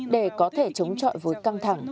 để có thể chống chọi vụt căng thẳng